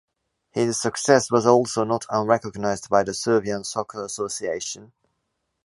His success was also not unrecognized by the Serbian soccer association.